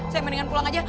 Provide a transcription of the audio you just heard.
saya mendingan pulang aja